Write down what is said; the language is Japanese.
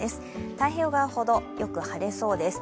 太平洋側ほど、よく晴れそうです。